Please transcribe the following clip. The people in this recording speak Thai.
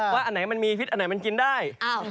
อันไหนมันมีพิษอันไหนมันกินได้